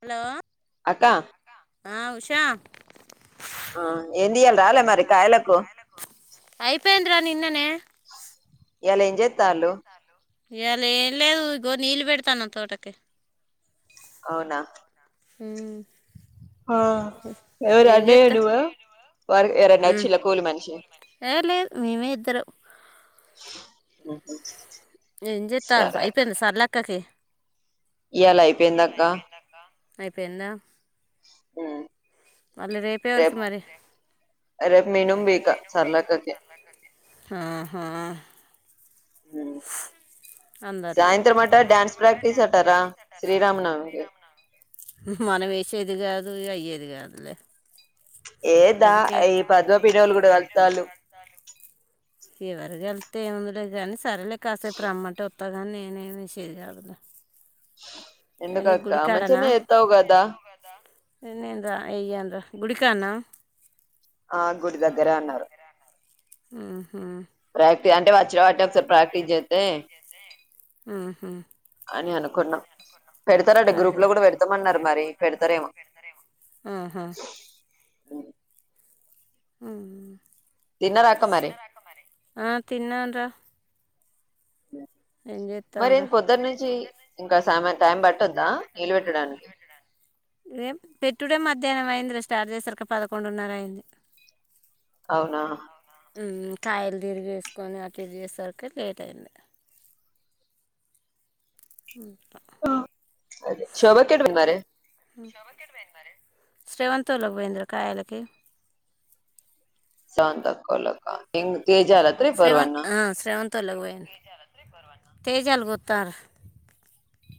Hello అత ఉష్యా ఆ ఏం రాలే మరి కాయలకు అయిపోయిందిరా నిన్ననే ఎలా ఏం చేస్తలు ఎలా ఎ లేదు ఇగో న నీళ్ళు పెడుతునం తోటకు తోటక అవునా హ్మ్ ఆ ఎవరు అడ చేత్త అడివ వర్ ఎరణ చిలకూల్ మనిషి ఏ లేదు మేమే ఇద్దరం అ ఏం చెతారు అయిపోయింది సార్లక్కకి ఇయాలా అయిపోయిందక్క అయిపోయింద హ్మ్ రేప్ మరి రేపు నేనుమ్ పీక లక్ష్మీక్కకి హ హ హ్మ్ అందరిగా సాయంత్రం అంట డ్యాన్స్ ప్రాక్టీస్ అట్టారా శ్రీరామ్ నవమికి మనం వేసేది కాదు అయ్యేది కాదులే ఏదా ఎందుకే ఈ పదో పేరోళ్లు కూడా కాలుతారు తె ఏముంంది లె గాని సర్లే కాసేపు రా అంటే వస్తా కానీ నేనేమి చే కాదు ఎందుకక్క మంచిగానే ఎత్తావు కదా [unintelligible] నేనుయ్యానురా గుడికానా ఆ గుడి దగ్గరే అన్నారు హ్మ్ హ్మ్ ప్రాక్టీ అంటే వచ్చిన వాటిని ఒకసారి ప్రాక్టీస్ చేత్తే ఆహా అని అనుకున్నాం పెడతారంట అదే గ్రూప్ లో కూడా పెడతామన్నారు మరి పెడతారేమో ఆహా. హ్మ్ తిన్నారా అక్క మరి ఆ తిన్నానురా హ్మ్ చేస్తాను మరి రా పొద్దుటి నుంచి ఇంకా సమ టైం పట్టందా నిలబెట్టడానికి రపు పెట్టుడే మధ్యాహ్నం అయిందిలే స్టార్ట్ చేశారుక పదకొడున్నర అయింది అవునా కాయలు తిరిగి వేసుకొని అటు ఇది చేసరికి లేట్ అయింది ఉ అదే శోభక్కేట మన్నరె శ్రీవంతివొళ్ళకి పోయేది రా కాయలకి స్రవంతి అక్కోళ్ళాక ఇంగ్ శ్రేవంత శ్రేవంతంతో వొళ్ళకి పొ తేజఅల్లు కొత్తరు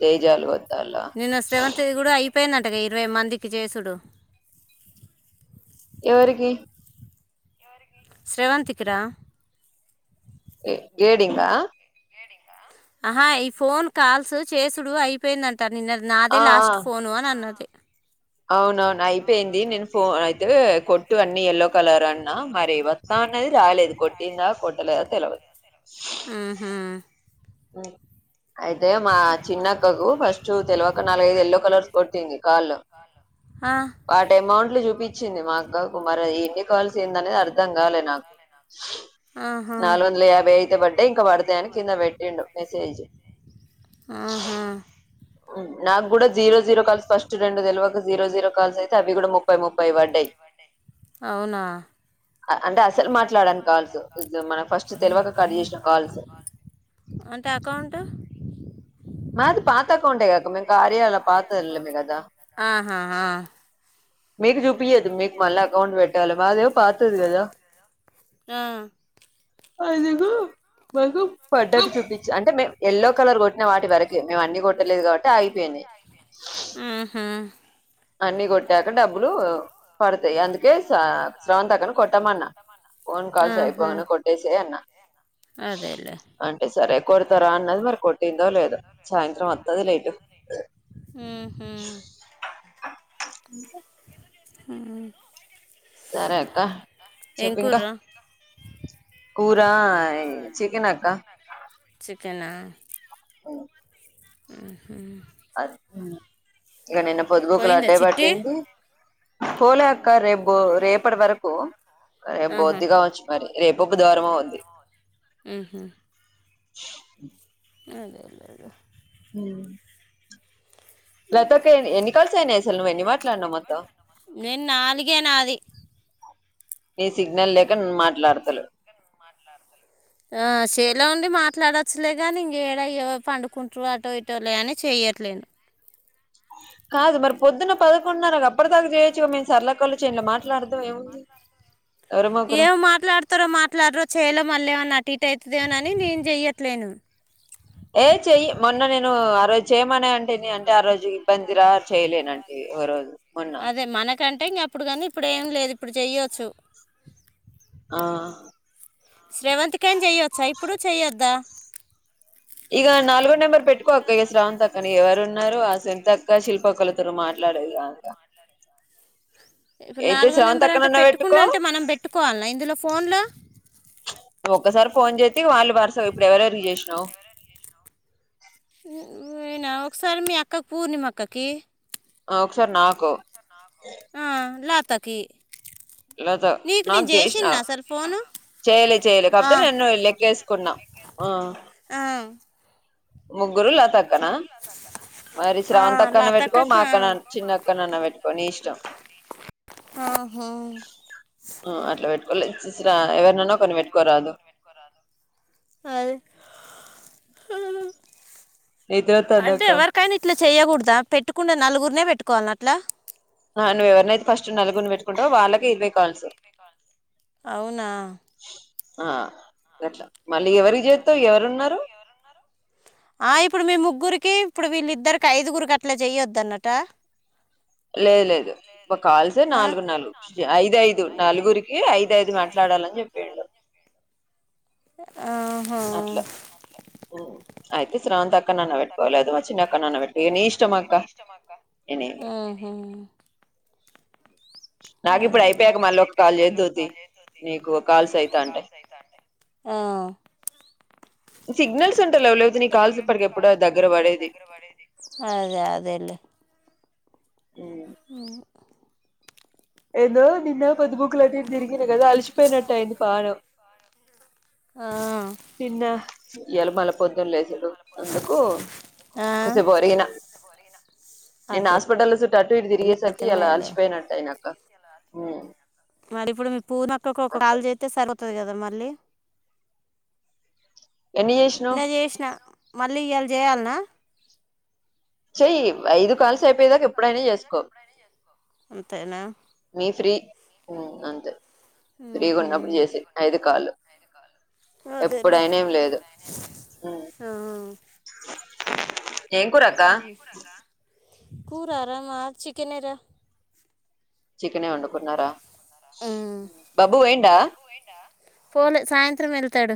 తేజాలు వద్దాల నిన్న శ్రవంతి కూడా అయి చెప్పేందట్టుగా ఇరవై మందికి చేసుడు ఎవరికి శ్రేవంతి కీ రా ఏ ఎడింగా ఆహా ఈ ఫోన్ కాల్స్ చేసుడు అయిపోయిందంటారు నిన్న నాదే ఆ లాస్ట్ ఫోను అని అన్నది అవునవును అయిపోయింది నేను ఫోన్ అయితే కొట్టు అన్ని ఎయల్లో కలర్ అన్నా మరి వస్తాను అన్నది రాలేదు కొట్టిందా కొట్టలేదా తెలియదు హ్మ్ హ్మ్ అ అయితే మా చిన్నక్కకు ఫస్ట్ తెలివక నాలుగైదు ఎయల్లో కలర్స్ కొట్టింది కాళ్ల్లో ఆ, వాటి అమౌంట్ లో చూపించింది మా అక్క కు మరి ఎన్ని కాల్సిందనేది అర్థం కాలే నాకు ఆహా, నాలుగు వందల యాభై అయితే పడ్డ ఇంకా పడతాయని కింద పెట్ ఏండు మెసేజు ఆహా. నాకు కూడా జీరో జీరో కలిసి ఫస్ట్ రెండు తెల్వ జీరో జీరో కాల్స్ అయితే అవి కూడా ముప్పై ముప్పై పడ్డాయి అవునా ఆ అంటే అసలు మాట్లాడాను కాల్సు మనం ఫస్ట్ తెలివక కట్ చేసిన కాల్స్. అంటే అకౌంటు మాది పాత అకౌంటే కదా కార్యలో పాతలోమ్మలే కదా. ఆహా, ఆ. మీకు చూపియద్దు మీకు మళ్ళా అకౌంట్ పెట్టాల మాదే యో పాతది కదా ఆ, అదిగో మహమ్ పడ్డట్టు చూపించు అంటే మేమ్ ఎల్లో కలర్ కొట్న వాట్ టి వరకే మేము అన్ని కొట్టలేదు కాబట్టి అయిపోయింది. మ్మ్హ, అన్ని కొట్టాక డబ్బులు పడతాయ్ అందుకే స స్రవంతక్కను కొట్టామన్న. పోన్ కల్స్ ఆహా. అయిపోను కొట్టేసే అన్న అదేలే అంటే సరే కొడతారా అన్నది మరి కొట్టిందో లేదు సాయంత్రం వత్తదిలే ఇటు. ఉహు [inaudible] ఉ సరే క్క చెప్పి ఇంకా కూర చికెన్ అక్క చికెనా ఉ ఉహు అ ఇక నిన్న పొదుగుకులు పోయిందా అట్టే చిట్టి పట్టింది పోల క్క రేప్ రేపటి వరకు రేపు ఆహా పోద్ది కావొచ్చు మరి రేపో బుధువారమో ఉంది. [inaudible] మ్మ్హ. అదేదే అదే ఉ లతక్క ఎన్ని కల్స్ అయినాయి అసలు నువ్వు ఎన్ని మాట్లాడునావ్ మొత్తం. టిగే నాది ఏ సిగ్నల్ లేెక్ ఆ సెన్లో ఉండి మాట్ ఇట్లాడవచ్చలేదు నీ ఇంక ఏడయ పండుకుంటు అటో ఇటోలే అని చెయట్లేను కాదు మరి పొద్దున్న ప అకుు అప్పడ దాకా చేయొచ్చుగా మేము సర్ల కలుు చేంలో మాట్లాడాం ఏముంది ఎవరమొకరు ఎమ్ మాట్లాడతారో మాట్లాడరో చేయలే మళ్ళీ ఏమన్నా టిట్ అయితుదేనని నేను చెయ్యట్లేను యే చెయ్యి మొన్న నేను ఆ రోజు చేయమనే అంటే అంటే ఆ రోజు ఇబ్బంది రా అదే మనకంటే ఇంగా అప్పుడు కానీ ఇప్పుడు ఎమ్ లేదు, ఇప్పుడు చెయ్యొచ్చు ఆ స్రవంతికైనా చెయొచ్చా ఇప్పుడు చెయోద్దా ఇక నాలుగో నెంబర్ పెట్టుకో అక్క ఇక స్రవంతక్కని ఎవరు ఉన్నారు, ఆ సునతక్క శిల్ప్ పుప్పక్కలతురు మాట్లాడేది కాక ఇప్పుడు నాలుగో నెంబర్ అంటే అక్కనన్నా పెట్టుకో పెట్టుకున్న అంటే మనం పెట్టుకోవాలన్నా ఇందులో ఫోన్లో. చ్ ఒక్కసారి ఫోన్ చేత్తే వాళ్ళు వరుసగా ఇప్పుడు ఎవరివరికి చేసినావ్. నేనా ఒకసారి మీ అక్కకి పూర్ణిమక్కకి ఒకసారి నాకు ఆ లతకి లత నీకు నాకు నేను చేస్నా చేసింది అసలు ఫోను చెయ్యలే చేయలే ఆ, కాకపోతే నన్ను లెక్కేసుకున్నా. ఆ ఆ ముగ్గురు లతాక్కనా మరి ఆ స్రవంతక్కను పెట్టుకో మా లతక్కకు అక్కన చిన్న అక్కనన్న పెట్టుకో నీ ఇష్టం. ఆ ఆ అట్లా పేట్కోలే అదే నిద్ర వత్తాంది అంటే అక్క ఎవరికై అయినా ఇట్లా చెయ్యకూడ్ దా పెట్టుకున్నే నలుగుర్ నే పెట్టుకోవాల్ నా అట్లా అ నువ్వు ఎవరినై అయితే ఫస్ట్ నలుగుర్ ని పెట్టుకుంటావు వాళ్ళకి ఇరవై కాల్స్ అవునా ఆ గట్లా మళ్ళీ ఎవరి చూస్తే ఎవరు ఉన్నారు ఆ ఇప్పుడు మీ ముగ్గురికి ఇప్పుడు వీళ్ళిద్దరికి ఐదుగురికి అట్లా చేయొవోద్దు అన్నట్టా లేదు లేదు ఒక కాల్సే నాలుగు నాలుగు ఐదుఐదు నలుగురికి ఐదుఐదు మాట్లా అదే ఐదు మాట్లాడాలని చెప్పాడు ఆహా అట్లా అయితే శ్రావంతి అక్క అగ్గి నన్న స్రవంత అక్క పెట్టుకోవాలి అది నన్ను పెట్ కో వచ్చిన అక్క లేదు నన్న వర్షిని పెట్టుకో అక్క నీ నన్ను పెట్ ఇష్టం కో ఇక అక్క నీ ఇష్టమ్ అక్కా నేనే ఆ హ నాకు అదే ఇప్పుడు లే అయిపోయాక నాకు మళ్ళీ ఇప్పుడు ఒక అయిపోయాక కాల్ మళ్ళీ ఒక చేద్దుతి కాల్ చేతుది నీకు కాల్స్ నీకు అయితా అంటే కాల్స్ అయితాఅండై సిగ్నల్స్ ఉంటలేవు లేకపోతే నీ కాల్స్ ఇప్పటికి ఎప్పుడో దగ్గర పడేది అదే అదే అదేలే ఆ ఎందో నిన్న పొద్దు పూకల అని అట్ ఇట్ తిరిగింది కదా అలిసిపయినట్టా అయింది పాణం ఆ తిన్నా ఇయాల పల ప్ పొద్దున్ లేసుడు అందుకు ఆ, కోసేపు అరిగినా నిన్న అదే హాస్పిటల్ చుట్టు అటు ఇటు అయితే తిరిగేసరికి ఇలా మేలే అలచిపోయినట్టు అయిన అక్క మ్ మరి ఇప్పుడు మీ పూర్ణ అక్కకో ఒక కాల్ చేస్తే సరిపోత అది కదా మళ్ళీ ఎన్ని చేసినావ్ నిన్న చేసిన మళ్ళీ ఇ యళ్ చేయాల్ నా చెయ్యి ఐదు కాల్స్ అయిపోయేదాక ఎప్పుడై అయినా చేసుకో అంతేనా అ అంతే ఫ్రీగా ఉన్న అప్పుడు మ్మ్హ్మ్. చేసయి ఐదు కాళ్ళు అదేలే ఎప్పుడై అయిన ఏమ్ లేదు ఆ. ఏం కూరా అక్కా కూరరా మా చికెనే రా చికేనే వండుకుఉన్నారా మ్మ్. బాబు ఏయిండా పోలే సాయంత్రం వెళ్తాడు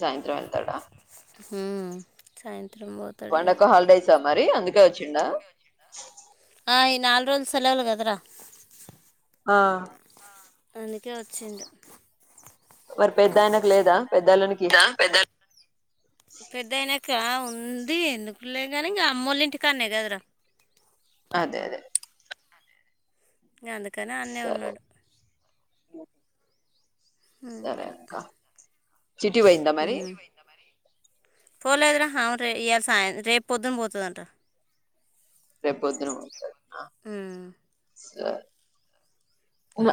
సాయంత్రం వెళ్తాఅడా మ్ సాయంత్రం బోతాడ్ ఇంగా పండగ హాలిడేసా మరి అందుకే వచ్చిండా ఆ ఈ నాలుగు రోజులు సెలవులు కదరా ఆ అందుకే వచ్చిండు మరి పెద్ద ఆయనకు లేదా పెద్ద అళ్ళున అనికి పెద్దాయన కా ఉంది ఎందుకులే కాని ఇంక అమ్మల్ ఇంటికాడ్ నే కద రా అదే అదే ఇంకా అందుకని అన్నయ్ ఉన్నాడు ఓ మ్మ్, సరే ఇట్లా అక్కా చిట్టీ పోయింద్దా మరి మ్మ్. పోలేదురా హ రే ఇ సాయంత్రి రేపు పొద్దున్ పోతుదఅంట రేపోద్దున్న ఉమ్, సరే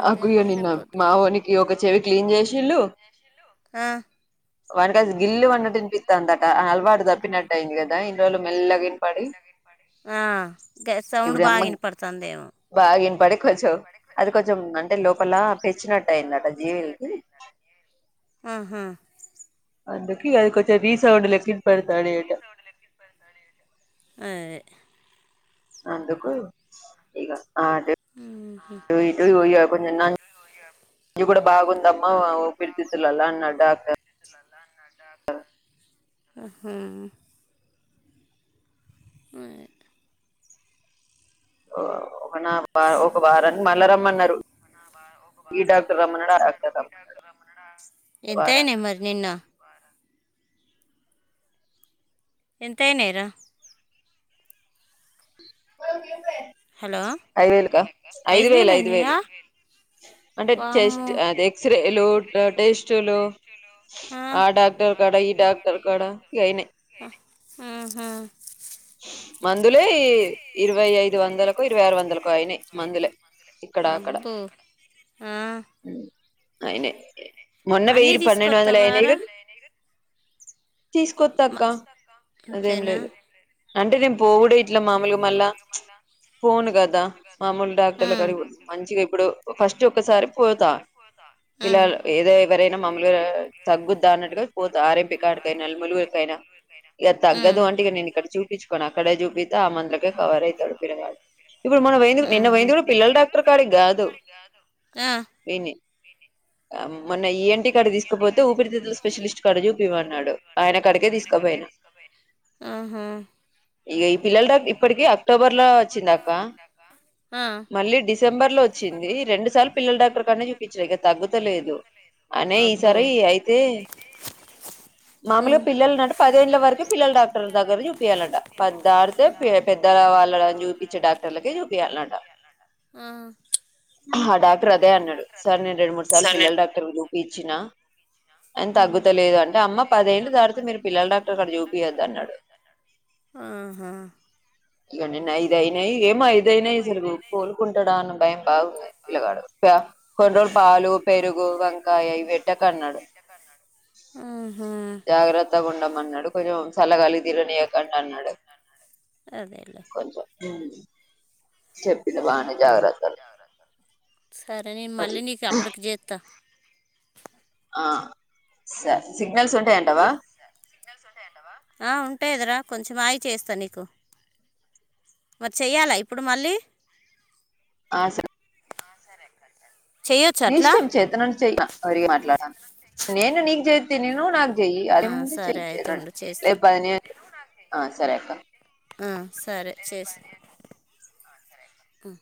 అంతే అన్నది నిన్న రేపు పొద్దున మావోనికి ఒక చెవి క్లీన్ చేసిల్లు ఆ, వాని కది గిల్లు వన్నట్టు ఇనిపిత్తందట అలవాటు తప్పుప్పినట్టుయింది కదా ఇన్ని రోజులు మెల్లగా వినపడి వినపడి ఆ గ సౌండ్ బాగ వినపడుతందేమో బాగ వినపడి కొంచం అది కొంచెం అంటే లోపల పెచ్చినట్టు అయిందట జీవులకి ఆహా అందుకి అది కొంచెం రీసౌండ్ లెక్క వినపడి రీ సౌండ్ లెక్క వినపడి అదే అందుకు [unintelligible] ఇేయి కొ సయా [unintelligible] కూడా బాగుందమ్ ఇ కూడా బాగుందమ్మాఊ ప్రచతుల అడ [unintelligible] హా హా ఆ ఒకనా ఒక వారానికి మల్ల రమ్మన్నారు ఈ డాక్టర్ రమ్మన్నాడు ఆ డాక్టర్ రమ్మన్నాడు వారానికి ఎంతయినయ్ మరి నిన్న ఎంతయినయిరా హలో ఐదు వేలుకా ఐదు వేలు ఐదు వేలు అంటే వాము చెస్ట్ అది ఎక్స్రేలు టెస్టులు ఆ డాక్టర్ కాడ ఈ డాక్టర్ కాడా ఇగ అయినాయి ఆహా మందులే ఇరవై ఐదు వందలకు ఇరవై ఆరు వందలకు అయినాయి మందులే ఇక్కడ అక్కడ అబ్బో ఆ అయినయి మొన్న వెయ అన్నీ పన్నెండు వందల తీసుకొస్తావారా అయినేకానీ తీసుకొతక్క అదేం అంతేనా లేదు పోడ [unintelligible] ఇట్ల మామూలుగా మళ్ళా ఫోను కదా మామూలు డాక్టర్లు ఉమ్, అడిగి మంచిగా ఇప్పుడు ఫస్ట్ ఒకసారి పోతా పిల ఉమ్, ఏదో ఎవరైనా మామూలుగా తగ్గుద్దా అన్నట్టుగా పో ఆరంపికడకై న ములుగురికైనా ఇక తగదు అంటేగా నేను ఇక్కడ ఉమ్. చూపించుకోను అక్కడే చూపి [unintelligible] ఆహా ఇప్పుడు మనం పోయింది నిన్న పోయింది కూడా పిల్లల డాక్టర్ ఆ ఈడనే మొన్న ఈఎన్టి కాడికి తీసుకపోతే ఊపిరితిత్తు ల స్పెషలిస్ట్ కాడ చూపియ్య మన్నాడు ఆయన కాడికే తీసుకు ఆహా ఇగ ఈ పిల్లల ఇప్పటికి అక్టోబర్ లో వచ్చిందక్క ఆ మళ్ళీ డిసెంబర్ లో వచ్చి వచ్చింది రెండు సార్లు పిల్లల డాక్టర్ కాడనే చూపించిన ఇక తగ్గుతలేదు అనే అబ్బో ఈసారి అయితే మామూలుగా ఉమ్, పిల్లలు నట పదేళ్ల వరకే పిల్లల డాక్టర్ దగ్గర చూ ాల పద్ద [unintelligible] డాక్టర్లకే చూపియాలంట ఆ ఆ డాక్టర్ అదే అన్నడు సార్ నేను రెండు మూడు సార్లు పిల్లల డాక్టర్ చూపిచ్చిన అయినా ఉమ్, తగ్గుతలేదు అంటే అమ్మ పదేళ్ళు తాడితే మీరు పిల్లల డాక్టర్ కాడ చూపియోద్దు అన్నడు ఆహా ఇగ నిన్న ఐదు అయినాయి ఏమో ఐదుయినాయి అసలు కోలుకుంటాడా అన్న భయం బాగుంది పిలగాడు కానీ రోజులు పాలు పెరుగు వంకాయ ఇవి పెట్టకన్నాడు ఆహా జాగ్రత్తగా ఉండమన్నడు కొంచెం సల్లగాలికి తిరగనియకండి అన్నాడు అదేలే కొంచెం ఉం చెప్పిన బాగనే జాగ్రత్తలు సరే నేను అది మళ్ళీ నీకు అప్పటికి చేస్తా ఆ స సిగ్నల్స్ ఉంటయి అంటవా ఉమ్, ఆ, కొంచెం ఆయి చేస్తాను నీకు మరి చేయ్యాలా ఇప్పుడు మళ్ళీ ఆ స చెయ్యొచ్చు నీ అట్లా ఇష్టం చేతన చెయరి మాట్లాడను నేను నీకు చేత నేను నాకు ఆ, సరే అయితే ఉండు అ చేస్తా పే ఆ సరే చేసి అ